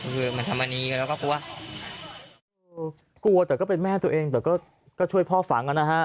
กลัวแต่ก็เป็นแม่ตัวเองแต่ก็ก็ช่วยพ่อฝังนะฮะ